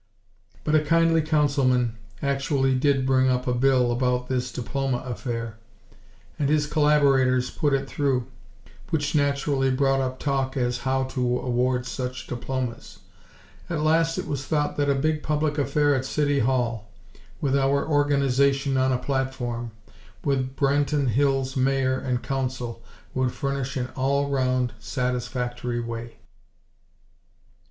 But a kindly Councilman actually did bring up a bill about this diploma affair, and his collaborators put it through; which naturally brought up talk as how to award such diplomas. At last it was thought that a big public affair at City Hall, with our Organization on a platform, with Branton Hills' Mayor and Council, would furnish an all round, satisfactory way.